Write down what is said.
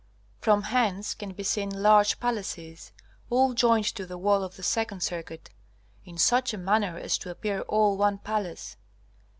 From hence can be seen large palaces, all joined to the wall of the second circuit in such a manner as to appear all one palace.